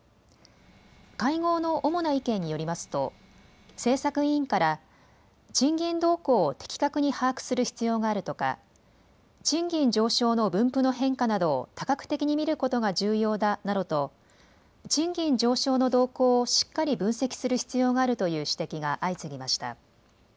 会合の主な意見によりますと、政策委員から賃金動向を的確に把握する必要があるとか賃金上昇の分布の変化などを多角的に見ることが重要だなどと、賃金上昇の動向をしっかり分析する必要があるという指摘が相次ぎました。